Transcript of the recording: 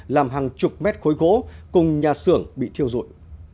làm hàng chục mét khối gỗ cùng nhà xưởng bị thiêu rụi